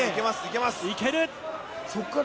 いける。